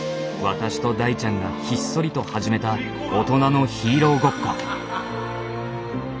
私と大ちゃんがひっそりと始めた大人のヒーローごっこ。